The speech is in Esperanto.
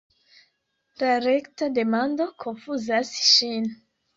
La rekta demando konfuzas ŝin.